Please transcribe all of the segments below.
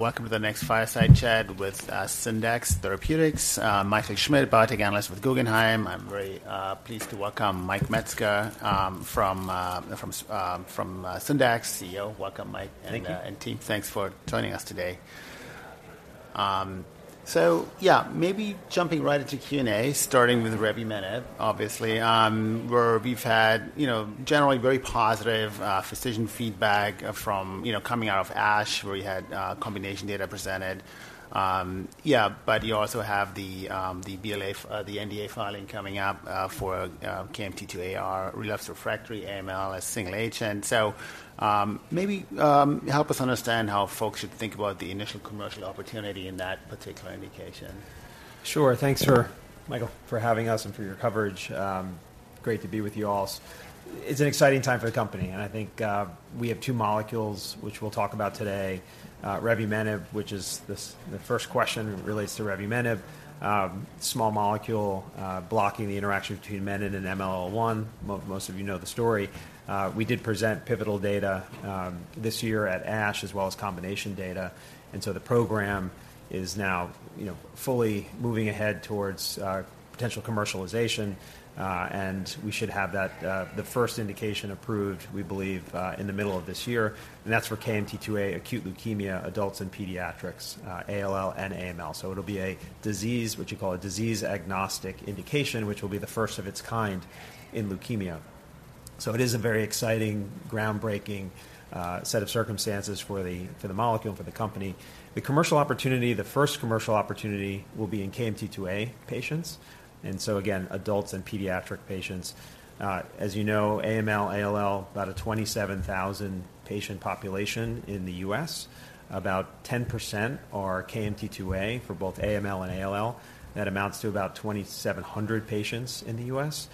Welcome to the next Fireside Chat with Syndax Pharmaceuticals. Michael Schmidt, biotech analyst with Guggenheim. I'm very pleased to welcome Mike Metzger from Syndax, CEO. Welcome, Mike- Thank you. and team. Thanks for joining us today. So yeah, maybe jumping right into Q&A, starting with revumenib, obviously, where we've had, you know, generally very positive, physician feedback, from, you know, coming out of ASH, where you had, combination data presented. Yeah, but you also have the, the NDA filing coming up, for, KMT2A-r relapsed refractory AML as single agent. So, maybe, help us understand how folks should think about the initial commercial opportunity in that particular indication. Sure. Thanks for, Michael, for having us and for your coverage. Great to be with you all. It's an exciting time for the company, and I think, we have two molecules, which we'll talk about today. Revumenib, which is this—the first question relates to revumenib, small molecule, blocking the interaction between menin and MLL1. Most of you know the story. We did present pivotal data, this year at ASH, as well as combination data, and so the program is now, you know, fully moving ahead towards, potential commercialization. And we should have that, the first indication approved, we believe, in the middle of this year, and that's for KMT2A acute leukemia, adults and pediatrics, ALL and AML. So it'll be a disease, what you call a disease-agnostic indication, which will be the first of its kind in leukemia. So it is a very exciting, groundbreaking set of circumstances for the molecule, and for the company. The commercial opportunity, the first commercial opportunity will be in KMT2A patients, and so again, adults and pediatric patients. As you know, AML, ALL, about a 27,000 patient population in the U.S. About 10% are KMT2A for both AML and ALL. That amounts to about 2,700 patients in the U.S.,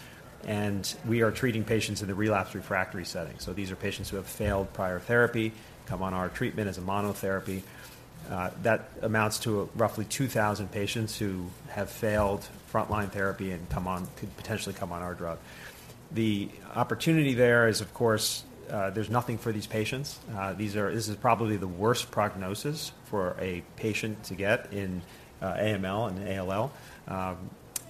and we are treating patients in the relapsed refractory setting. So these are patients who have failed prior therapy, come on our treatment as a monotherapy. That amounts to roughly 2,000 patients who have failed frontline therapy and come on, could potentially come on our drug. The opportunity there is, of course, there's nothing for these patients. These are. This is probably the worst prognosis for a patient to get in AML and ALL.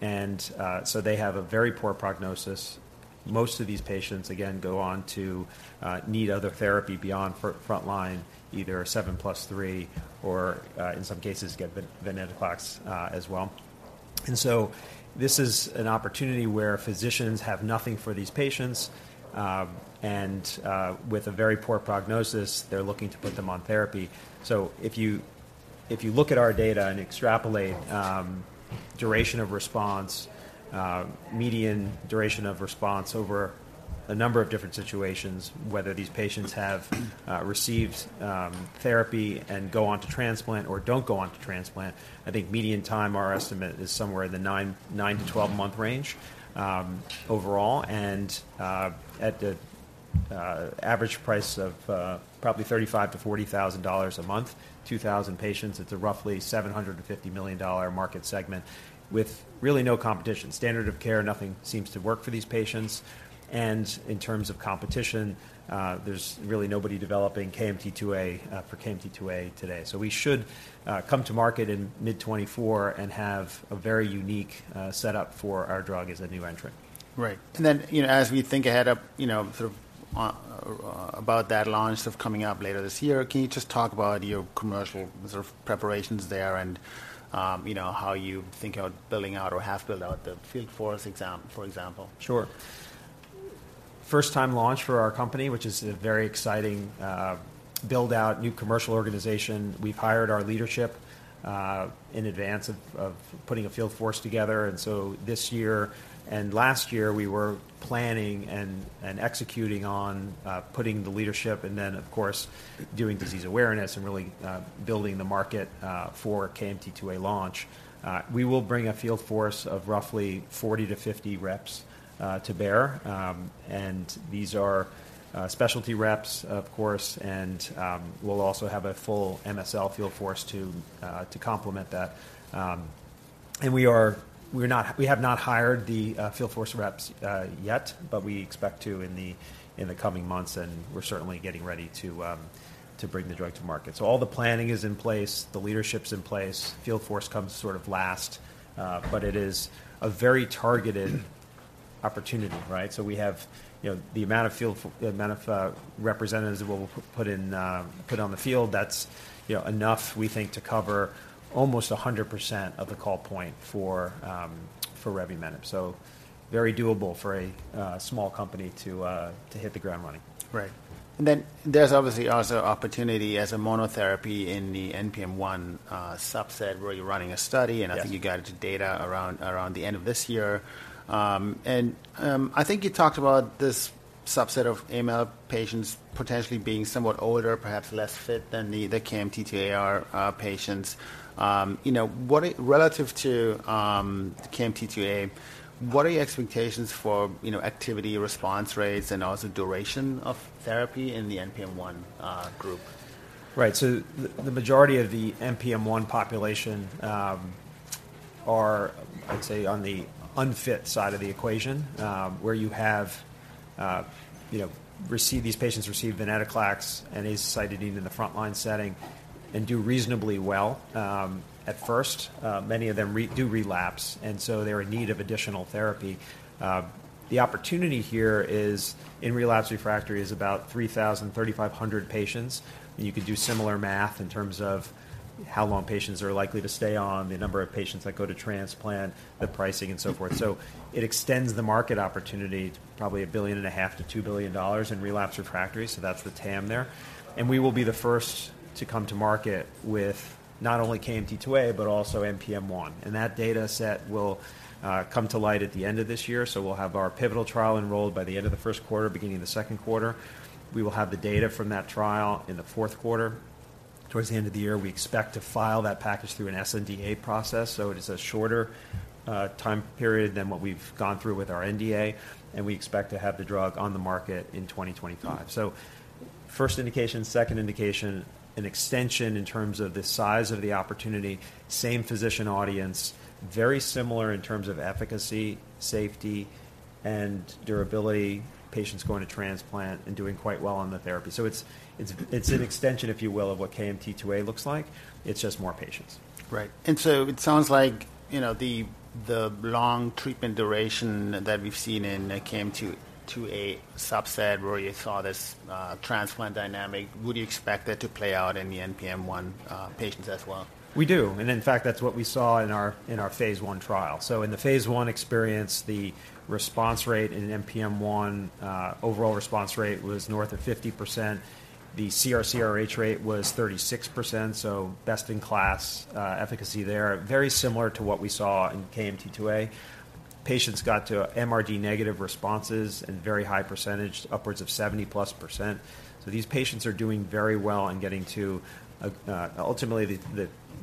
And so they have a very poor prognosis. Most of these patients, again, go on to need other therapy beyond frontline, either 7 + 3, or, in some cases, get venetoclax, as well. And so this is an opportunity where physicians have nothing for these patients, and, with a very poor prognosis, they're looking to put them on therapy. So if you, if you look at our data and extrapolate, duration of response, median duration of response over a number of different situations, whether these patients have received therapy and go on to transplant or don't go on to transplant, I think median time, our estimate is somewhere in the 9-12-month range, overall. At the average price of probably $35,000-$40,000 a month, 2,000 patients, it's a roughly $750 million market segment with really no competition. Standard of care, nothing seems to work for these patients. In terms of competition, there's really nobody developing KMT2A for KMT2A today. We should come to market in mid-2024 and have a very unique setup for our drug as a new entrant. Right. And then, you know, as we think ahead of, you know, sort of, about that launch of coming up later this year, can you just talk about your commercial sort of preparations there and, you know, how you think about building out or have built out the field force for example? Sure. First-time launch for our company, which is a very exciting build-out, new commercial organization. We've hired our leadership in advance of putting a field force together, and so this year and last year, we were planning and executing on putting the leadership and then, of course, doing disease awareness and really building the market for KMT2A launch. We will bring a field force of roughly 40-50 reps to bear. And these are specialty reps, of course, and we'll also have a full MSL field force to complement that. And we have not hired the field force reps yet, but we expect to in the coming months, and we're certainly getting ready to bring the drug to market. So all the planning is in place, the leadership's in place, field force comes sort of last, but it is a very targeted opportunity, right? So we have, you know, the amount of field, the amount of representatives that we'll put in, put on the field, that's, you know, enough, we think, to cover almost 100% of the call point for revumenib. So very doable for a small company to hit the ground running. Right. Then there's obviously also opportunity as a monotherapy in the NPM1 subset, where you're running a study- Yes. And I think you got the data around the end of this year. I think you talked about this subset of AML patients potentially being somewhat older, perhaps less fit than the KMT2A-r patients. You know, what are—relative to KMT2A, what are your expectations for, you know, activity, response rates, and also duration of therapy in the NPM1 group? Right. So the majority of the NPM1 population are, I'd say, on the unfit side of the equation, where you have these patients receive venetoclax and azacitidine in the frontline setting and do reasonably well. At first, many of them do relapse, and so they're in need of additional therapy. The opportunity here is, in relapse/refractory, is about 3,000-3,500 patients. And you could do similar math in terms of how long patients are likely to stay on, the number of patients that go to transplant, the pricing, and so forth. So it extends the market opportunity to probably $1.5 billion-$2 billion in relapse/refractory, so that's the TAM there. And we will be the first to come to market with not only KMT2A, but also NPM1. That data set will come to light at the end of this year, so we'll have our pivotal trial enrolled by the end of the first quarter, beginning of the second quarter. We will have the data from that trial in the fourth quarter. Towards the end of the year, we expect to file that package through an sNDA process, so it is a shorter time period than what we've gone through with our NDA, and we expect to have the drug on the market in 2025. So first indication, second indication, an extension in terms of the size of the opportunity, same physician audience, very similar in terms of efficacy, safety, and durability, patients going to transplant and doing quite well on the therapy. So it's, it's, it's an extension, if you will, of what KMT2A looks like. It's just more patients. Right. And so it sounds like, you know, the long treatment duration that we've seen in KMT2A subset, where you saw this transplant dynamic, would you expect that to play out in the NPM1 patients as well? We do. In fact, that's what we saw in our phase I trial. In the phase I experience, the response rate in NPM1 overall response rate was north of 50%. The CR/CRh rate was 36%, so best-in-class efficacy there. Very similar to what we saw in KMT2A. Patients got to MRD negative responses and very high percentage, upwards of 70+%. These patients are doing very well in getting to ultimately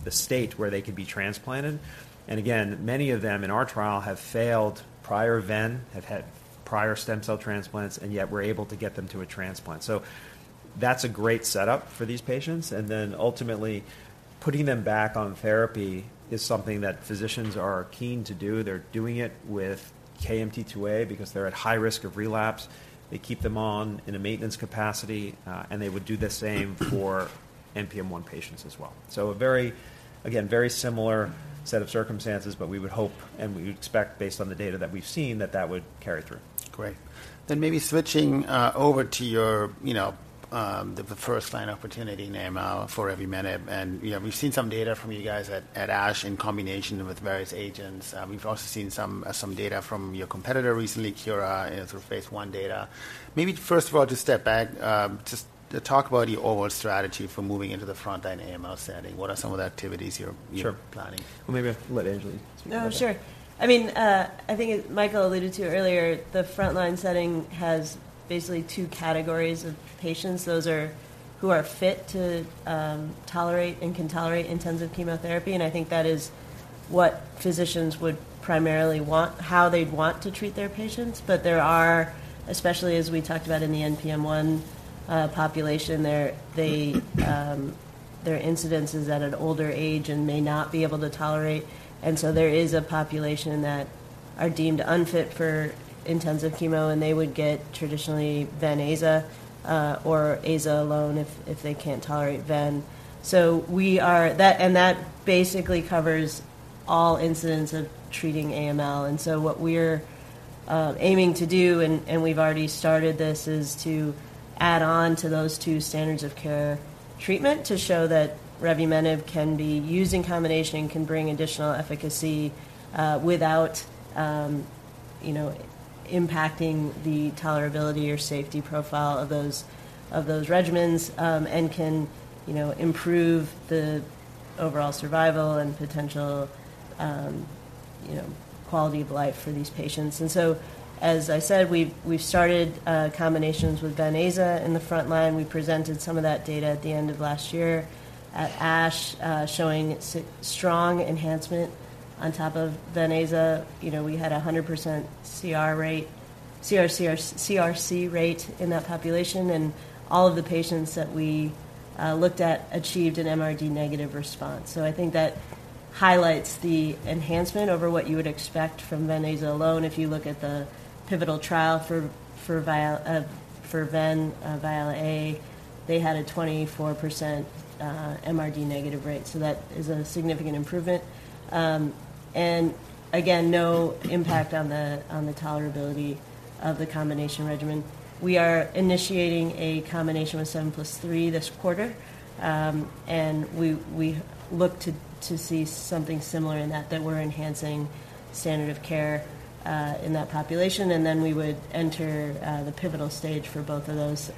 the state where they could be transplanted. Again, many of them in our trial have failed prior ven, have had prior stem cell transplants, and yet we're able to get them to a transplant. That's a great setup for these patients, and then ultimately, putting them back on therapy is something that physicians are keen to do. They're doing it with KMT2A because they're at high risk of relapse. They keep them on in a maintenance capacity, and they would do the same for NPM1 patients as well. So a very, again, very similar set of circumstances, but we would hope and we would expect, based on the data that we've seen, that that would carry through. Great. Then maybe switching over to your, you know, the first-line opportunity, namely for revumenib. And, you know, we've seen some data from you guys at ASH in combination with various agents. We've also seen some data from your competitor recently, Curis, through phase 1 data. Maybe first of all, to step back, just to talk about your overall strategy for moving into the frontline AML setting. What are some of the activities you're- Sure. Planning? Well, maybe I'll let Anjali speak. Oh, sure. I mean, I think as Michael alluded to earlier, the frontline setting has basically two categories of patients. Those are who are fit to tolerate and can tolerate intensive chemotherapy, and I think that is what physicians would primarily want—how they'd want to treat their patients. But there are, especially as we talked about in the NPM1 population, there are incidences at an older age and may not be able to tolerate. And so there is a population that are deemed unfit for intensive chemo, and they would get traditionally Ven/Aza or Aza alone if they can't tolerate ven. So that basically covers all instances of treating AML. What we're aiming to do, and we've already started this, is to add on to those two standards of care treatment to show that revumenib can be used in combination and can bring additional efficacy, without, you know, impacting the tolerability or safety profile of those, of those regimens, and can, you know, improve the overall survival and potential, you know, quality of life for these patients. As I said, we've started combinations with Ven/Aza in the front line. We presented some of that data at the end of last year at ASH, showing strong enhancement on top of Ven/Aza. You know, we had a 100% CR/CRc rate in that population, and all of the patients that we looked at achieved an MRD negative response. So I think that highlights the enhancement over what you would expect from Ven/Aza alone. If you look at the pivotal trial for VIALE-A, they had a 24% MRD negative rate, so that is a significant improvement. And again, no impact on the tolerability of the combination regimen. We are initiating a combination with 7 + 3 this quarter, and we look to see something similar in that we're enhancing standard of care in that population, and then we would enter the pivotal stage for both of those.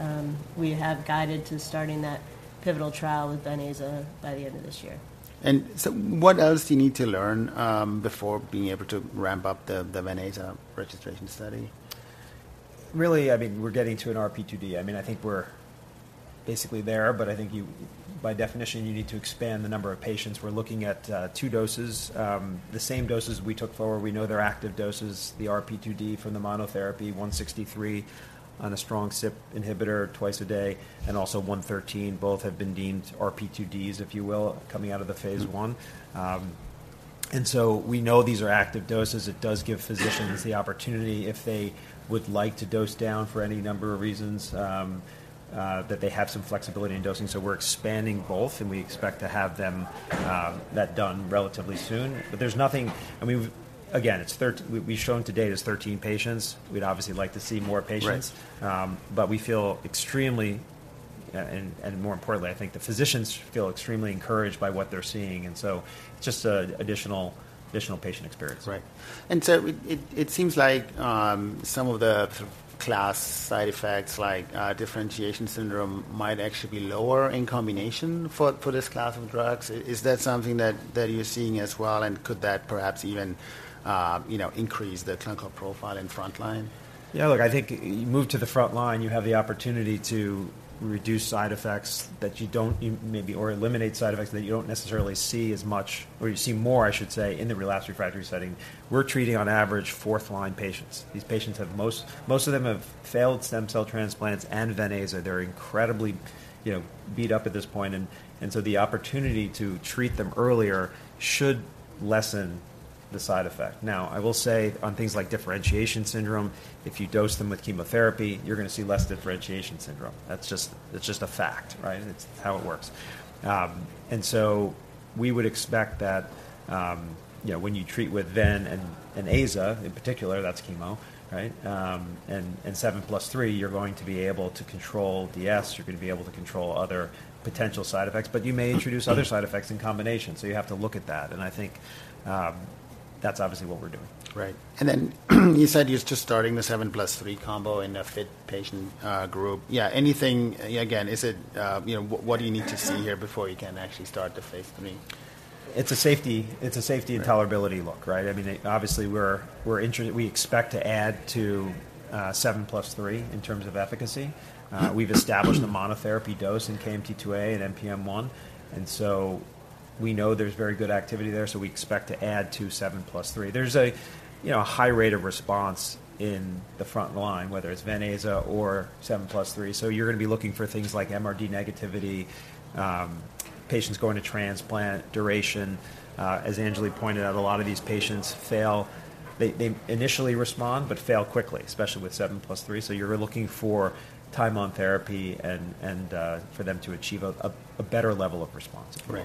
We have guided to starting that pivotal trial with Ven/Aza by the end of this year. What else do you need to learn before being able to ramp up the Ven/Aza registration study? Really, I mean, we're getting to an RP2D. I mean, I think we're basically there, but I think you, by definition, you need to expand the number of patients. We're looking at two doses, the same doses we took forward. We know they're active doses, the RP2D from the monotherapy, 163 on a strong CYP inhibitor twice a day and also 113. Both have been deemed RP2Ds, if you will, coming out of the phase I. And so we know these are active doses. It does give physicians the opportunity, if they would like to dose down for any number of reasons, that they have some flexibility in dosing. So we're expanding both, and we expect to have them that done relatively soon. But there's nothing. I mean, again, it's 13 patients we've shown to date. We'd obviously like to see more patients. Right. But we feel extremely, and more importantly, I think the physicians feel extremely encouraged by what they're seeing, and so just additional patient experience. Right. And so it seems like some of the class side effects, like differentiation syndrome, might actually be lower in combination for this class of drugs. Is that something that you're seeing as well, and could that perhaps even you know, increase the clinical profile in frontline? Yeah, look, I think you move to the frontline, you have the opportunity to reduce side effects that you don't maybe or eliminate side effects that you don't necessarily see as much, or you see more, I should say, in the relapsed refractory setting. We're treating on average fourth line patients. These patients have most—most of them have failed stem cell transplants and ven-aza. They're incredibly, you know, beat up at this point, and so the opportunity to treat them earlier should lessen the side effect. Now, I will say on things like differentiation syndrome, if you dose them with chemotherapy, you're going to see less differentiation syndrome. That's just a fact, right? It's how it works. And so we would expect that, you know, when you treat with ven and aza, in particular, that's chemo, right? 7 + 3, you're going to be able to control DS, you're going to be able to control other potential side effects, but you may introduce other side effects in combination. So you have to look at that, and I think that's obviously what we're doing. Right. And then you said you're just starting the 7 + 3 combo in a fit patient group. Yeah, anything... Again, is it, you know, what do you need to see here before you can actually start the phase 3? It's a safety, it's a safety and tolerability look, right? I mean, obviously, we expect to add to 7 + 3 in terms of efficacy. We've established a monotherapy dose in KMT2A and NPM1, and so we know there's very good activity there, so we expect to add to 7 + 3. There's you know a high rate of response in the front line, whether it's Ven/Aza or 7 + 3. So you're going to be looking for things like MRD negativity, patients going to transplant, duration. As Anjali pointed out, a lot of these patients fail. They initially respond, but fail quickly, especially with 7 + 3. So you're looking for time on therapy and for them to achieve a better level of response. Great.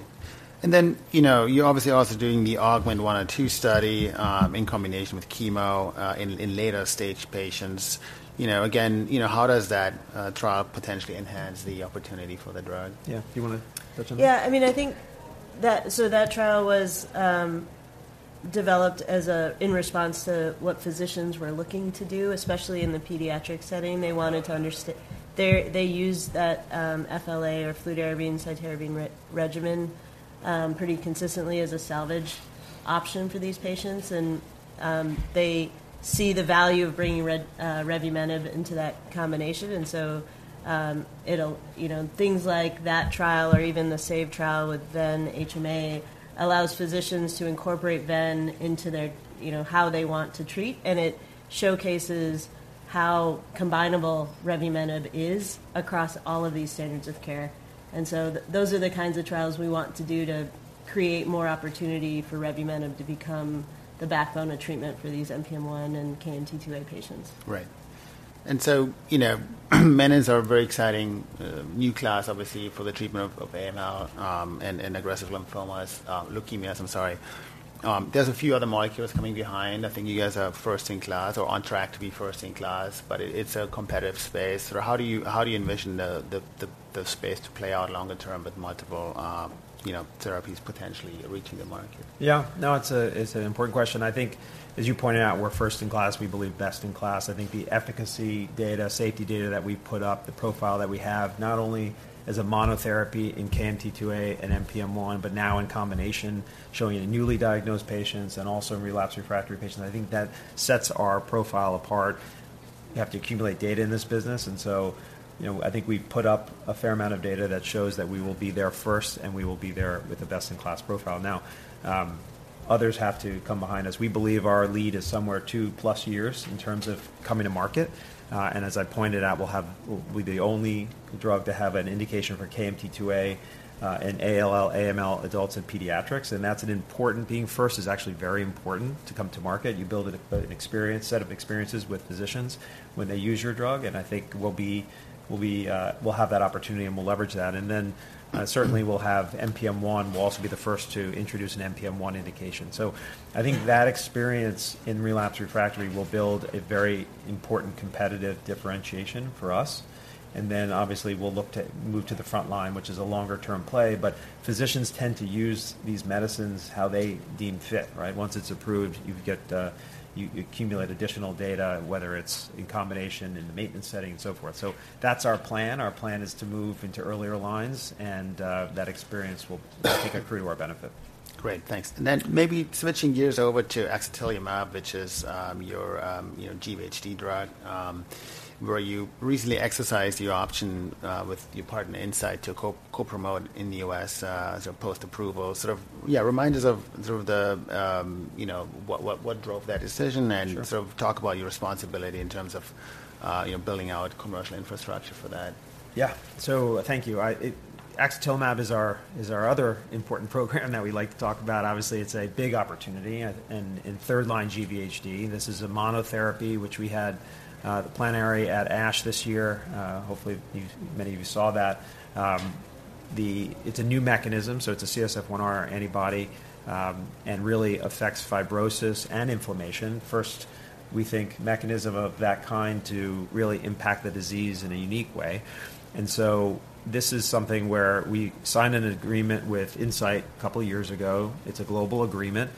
And then, you know, you're obviously also doing the AUGMENT 1 and 2 study in combination with chemo in later stage patients. You know, again, you know, how does that trial potentially enhance the opportunity for the drug? Yeah. Do you want to touch on that? Yeah, I mean, I think that so that trial was developed as a response to what physicians were looking to do, especially in the pediatric setting. They wanted to understand. They used that FLA or fludarabine, cytarabine regimen pretty consistently as a salvage option for these patients, and they see the value of bringing revumenib into that combination, and so it'll, you know, things like that trial or even the SAVE trial with ven HMA allows physicians to incorporate ven into their, you know, how they want to treat, and it showcases how combinable revumenib is across all of these standards of care. And so those are the kinds of trials we want to do to create more opportunity for revumenib to become the backbone of treatment for these NPM1 and KMT2A patients. Right. And so, you know, menins are a very exciting new class, obviously, for the treatment of AML and aggressive lymphomas, leukemias, I'm sorry. There's a few other molecules coming behind. I think you guys are first in class or on track to be first in class, but it's a competitive space. So how do you envision the space to play out longer term with multiple, you know, therapies potentially reaching the market? Yeah. No, it's a, it's an important question. I think, as you pointed out, we're first-in-class, we believe best-in-class. I think the efficacy data, safety data that we put up, the profile that we have, not only as a monotherapy in KMT2A and NPM1, but now in combination, showing in newly diagnosed patients and also in relapsed refractory patients, I think that sets our profile apart. You have to accumulate data in this business, and so, you know, I think we've put up a fair amount of data that shows that we will be there first, and we will be there with the best-in-class profile. Now, others have to come behind us. We believe our lead is somewhere 2+ years in terms of coming to market, and as I pointed out, we'll be the only drug to have an indication for KMT2A, and ALL, AML, adults and pediatrics, and that's an important... Being first is actually very important to come to market. You build an experience, set of experiences with physicians when they use your drug, and I think we'll be, we'll have that opportunity, and we'll leverage that. And then, certainly, we'll have NPM1, we'll also be the first to introduce an NPM1 indication. So I think that experience in relapsed refractory will build a very important competitive differentiation for us. And then, obviously, we'll look to move to the front line, which is a longer-term play, but physicians tend to use these medicines how they deem fit, right? Once it's approved, you get, you accumulate additional data, whether it's in combination in the maintenance setting and so forth. So that's our plan. Our plan is to move into earlier lines, and that experience will, I think, accrue to our benefit. Great. Thanks. And then maybe switching gears over to axatilimab, which is your you know GVHD drug, where you recently exercised your option with your partner Incyte to co-promote in the U.S. as a post-approval. Sort of, yeah, remind us of sort of the you know what what what drove that decision- Sure. -and sort of talk about your responsibility in terms of, you know, building out commercial infrastructure for that. Yeah. So thank you. I, it axatilimab is our, is our other important program that we like to talk about. Obviously, it's a big opportunity, and in third-line GVHD, this is a monotherapy, which we had the plenary at ASH this year. Hopefully, you, many of you saw that. The. It's a new mechanism, so it's a CSF-1R antibody, and really affects fibrosis and inflammation. First, we think mechanism of that kind to really impact the disease in a unique way. And so this is something where we signed an agreement with Incyte a couple of years ago. It's a global agreement,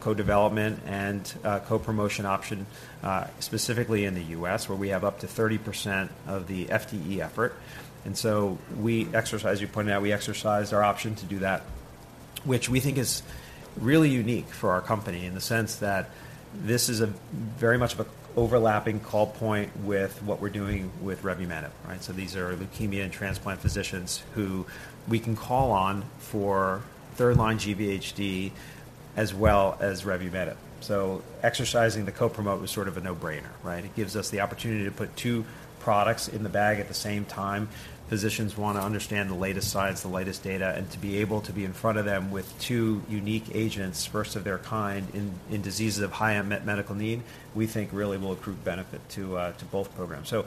co-development and co-promotion option, specifically in the U.S., where we have up to 30% of the FTE effort. As you pointed out, we exercised our option to do that, which we think is really unique for our company in the sense that this is a very much of a overlapping call point with what we're doing with revumenib, right? So these are leukemia and transplant physicians who we can call on for third-line GVHD as well as revumenib. So exercising the co-promote was sort of a no-brainer, right? It gives us the opportunity to put two products in the bag at the same time. Physicians wanna understand the latest science, the latest data, and to be able to be in front of them with two unique agents, first of their kind, in diseases of high unmet medical need, we think really will accrue benefit to both programs. So,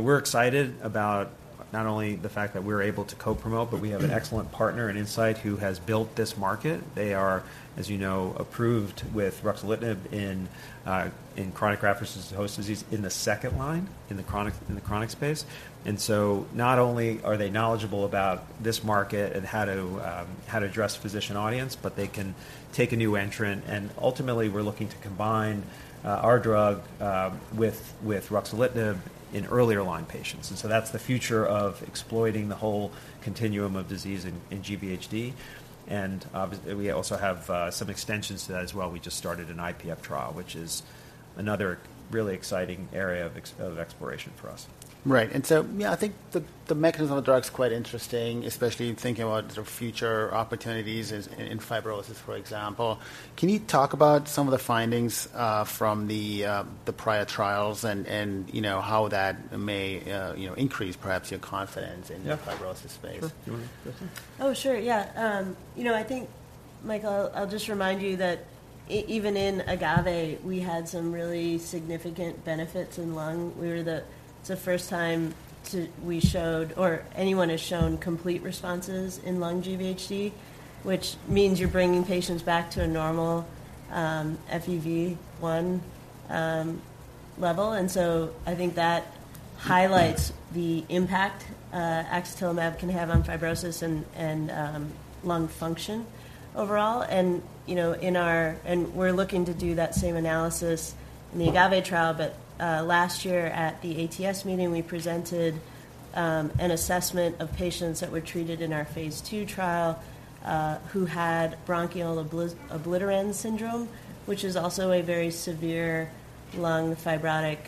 we're excited about not only the fact that we're able to co-promote, but we have an excellent partner at Incyte who has built this market. They are, as you know, approved with ruxolitinib in chronic graft-versus-host disease in the second line, in the chronic space. So not only are they knowledgeable about this market and how to address physician audience, but they can take a new entrant, and ultimately, we're looking to combine our drug with ruxolitinib in earlier line patients. So that's the future of exploiting the whole continuum of disease in GVHD. And obviously, we also have some extensions to that as well. We just started an IPF trial, which is another really exciting area of exploration for us. Right. And so, yeah, I think the mechanism of the drug is quite interesting, especially in thinking about the future opportunities in fibrosis, for example. Can you talk about some of the findings from the prior trials and, you know, how that may increase perhaps your confidence- Yeah. in the fibrosis space? Sure. Do you wanna- Oh, sure. Yeah. You know, I think, Michael, I'll just remind you that even in AGAVE, we had some really significant benefits in lung. It's the first time we showed or anyone has shown complete responses in lung GVHD, which means you're bringing patients back to a normal FEV1 level. And so I think that highlights the impact axatilimab can have on fibrosis and lung function overall. And we're looking to do that same analysis in the AGAVE trial, but last year at the ATS meeting, we presented an assessment of patients that were treated in our phase two trial who had bronchiolitis obliterans syndrome, which is also a very severe lung fibrotic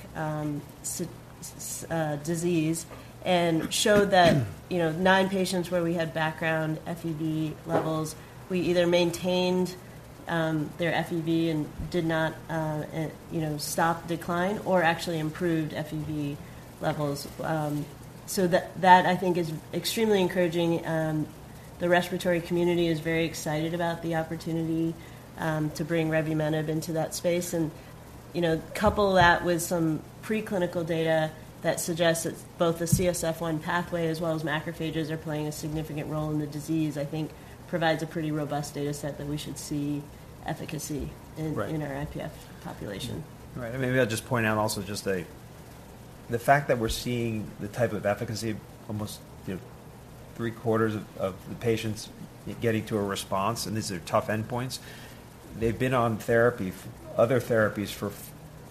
disease, and showed that, you know, nine patients where we had background FEV levels, we either maintained their FEV and did not, you know, stop decline or actually improved FEV levels. So that, that I think, is extremely encouraging. The respiratory community is very excited about the opportunity to bring revumenib into that space, and, you know, couple that with some preclinical data that suggests that both the CSF-1 pathway as well as macrophages are playing a significant role in the disease, I think provides a pretty robust data set that we should see efficacy- Right. in our IPF population. Right. And maybe I'll just point out also just a... The fact that we're seeing the type of efficacy, almost, you know, three-quarters of the patients getting to a response, and these are tough endpoints. They've been on therapy, other therapies for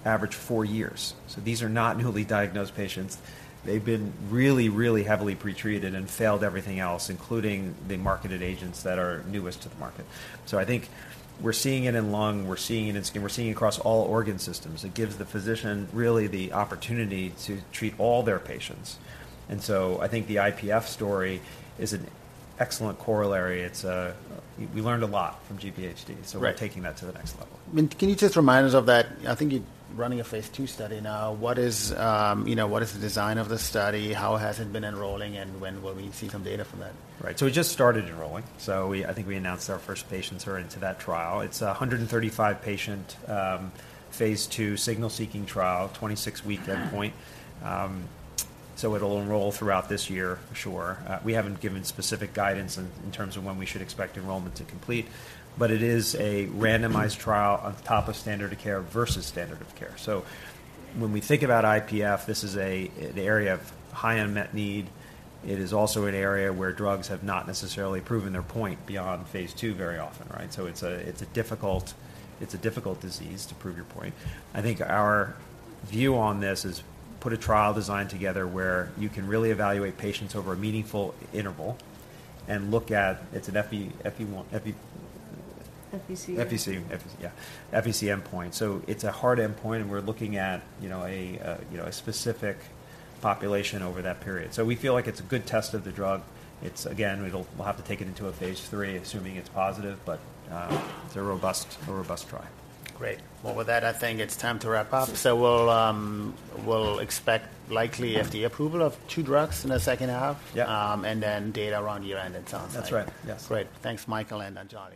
average four years. So these are not newly diagnosed patients. They've been really, really heavily pretreated and failed everything else, including the marketed agents that are newest to the market. So I think we're seeing it in lung, we're seeing it in skin, we're seeing it across all organ systems. It gives the physician really the opportunity to treat all their patients. And so I think the IPF story is an excellent corollary. It's. We learned a lot from GVHD. Right. So we're taking that to the next level. I mean, can you just remind us of that? I think you're running a phase 2 study now. What is, you know, what is the design of the study? How has it been enrolling, and when will we see some data from that? Right. So we just started enrolling. So we—I think we announced our first patients are into that trial. It's a 135-patient, phase 2 signal-seeking trial, 26-week endpoint. So it'll enroll throughout this year, for sure. We haven't given specific guidance in terms of when we should expect enrollment to complete, but it is a randomized trial on top of standard of care versus standard of care. So when we think about IPF, this is an area of high unmet need. It is also an area where drugs have not necessarily proven their point beyond phase 2 very often, right? So it's a, it's a difficult, it's a difficult disease to prove your point. I think our view on this is put a trial design together where you can really evaluate patients over a meaningful interval and look at. It's an FEV1. FVC. FVC, FVC, yeah, FVC endpoint. So it's a hard endpoint, and we're looking at, you know, a specific population over that period. So we feel like it's a good test of the drug. It's, again, we'll have to take it into a phase 3, assuming it's positive, but it's a robust trial. Great. Well, with that, I think it's time to wrap up. So we'll, we'll expect likely FDA approval of two drugs in the second half. Yeah. And then data around year-end, it sounds like. That's right. Yes. Great. Thanks, Michael and Anjali.